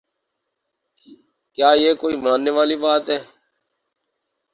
کیا یہ کوئی ماننے والی بات ہے؟